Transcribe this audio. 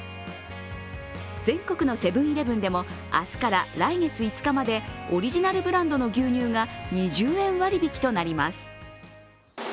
全国のセブン−イレブンでも明日から来月５日までオリジナルブランドの牛乳が２０円割引となります。